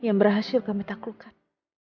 yang berhasil kami taklukan